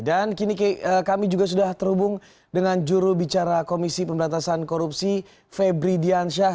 dan kini kami juga sudah terhubung dengan jurubicara komisi pemberantasan korupsi febri diansyah